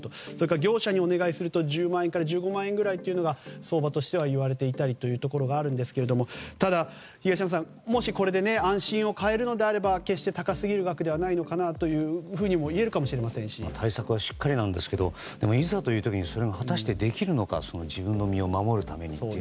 業者にお願いすると１０万円から１５万円という相場としては言われていたりしますがただ、もしこれで安心を買えるのであれば決して高すぎるわけではないといえるかもしれませんし対策はしっかりなんですがいざいという時にそれが果たしてできるのか自分の身を守るためにという。